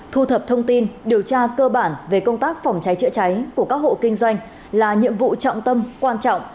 thu thập thông tin điều tra cơ bản về công tác phòng cháy chữa cháy của các hộ kinh doanh là nhiệm vụ trọng tâm quan trọng